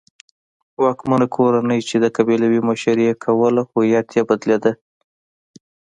واکمنه کورنۍ چې د قبیلو مشري یې کوله هویت یې بدلېده.